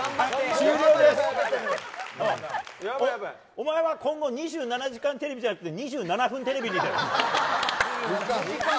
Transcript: お前は、今後「２７時間テレビ」じゃなくて「２７分テレビ」に出ろ。